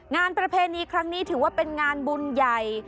ประเพณีครั้งนี้ถือว่าเป็นงานบุญใหญ่